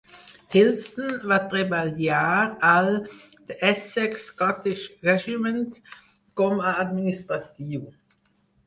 Tilston va treballar al The Essex Scottish Regiment com a administratiu.